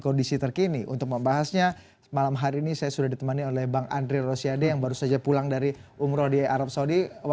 kondisi terkini untuk membahasnya malam hari ini saya sudah ditemani oleh bang andre rosiade yang baru saja pulang dari umroh di arab saudi